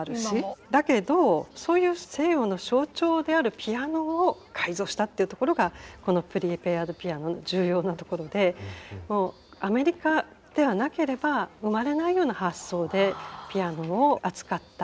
だけどそういう西洋の象徴であるピアノを改造したっていうところがこのプリペアド・ピアノの重要なところでアメリカではなければ生まれないような発想でピアノを扱った。